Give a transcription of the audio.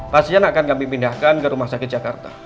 pasien akan kami pindahkan ke rumah sakit jakarta